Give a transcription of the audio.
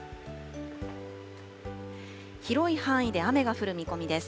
広い範囲で雨が降る見込みです。